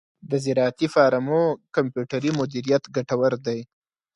د زراعتی فارمو کمپیوټري مدیریت ګټور دی.